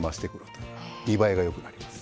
見栄えがよくなります。